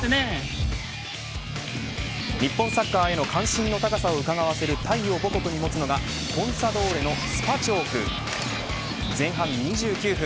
日本サッカーへの関心の高さをうかがわせるタイを母国にもつのがコンサドーレのスパチョーク前半２９分。